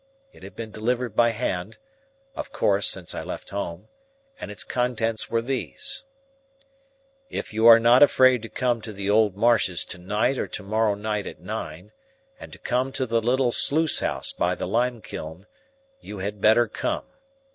It had been delivered by hand (of course, since I left home), and its contents were these:— "If you are not afraid to come to the old marshes to night or to morrow night at nine, and to come to the little sluice house by the limekiln, you had better come.